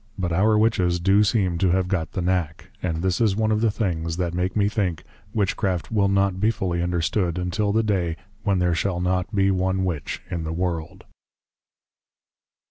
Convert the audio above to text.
But our Witches do seem to have got the knack: and this is one of the Things, that make me think, Witchcraft will not be fully understood, until the day when there shall not be one Witch in the World.